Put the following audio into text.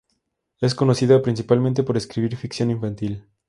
Es conocida, principalmente por escribir ficción infantil.